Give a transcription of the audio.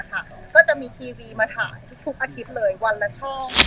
ก็จะมีทีวีมาถ่ายทุกอาทิตย์เลยวันละช่อง